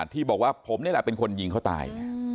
ที่บอกว่าผมนี่แหละเป็นคนยิงเขาตาย